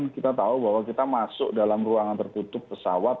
kita tahu bahwa kita masuk dalam ruangan tertutup pesawat